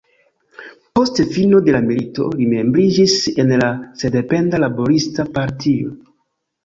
Post fino de la milito, li membriĝis en la Sendependa Laborista Partio.